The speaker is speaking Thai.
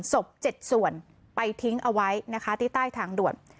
๗ส่วนไปทิ้งเอาไว้นะคะที่ใต้ทางด่วน